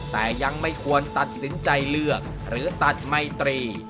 แต่ยังไม่ควรตัดสินใจเลือกหรือตัดไมตรี